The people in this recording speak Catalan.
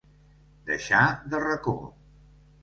Deixar de racó.